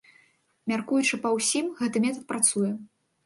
Мяркуючы па ўсім, гэты метад працуе.